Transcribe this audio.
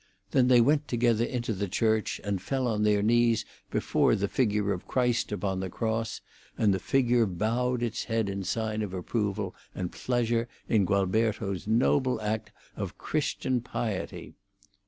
Then they went together into the church, and fell on their knees before the figure of Christ upon the cross, and the figure bowed its head in sign of approval and pleasure in Gualberto's noble act of Christian piety."